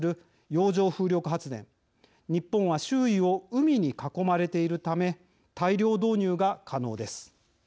日本は周囲を海に囲まれているため大量導入が可能です。